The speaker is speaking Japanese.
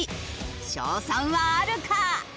勝算はあるか！？